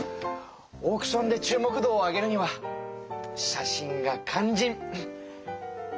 オークションで注目度を上げるには写真がかんじん！